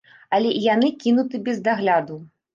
Але і яны кінуты без дагляду.